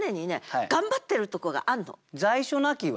「在所無き」は？